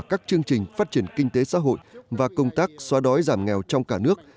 các chương trình phát triển kinh tế xã hội và công tác xóa đói giảm nghèo trong cả nước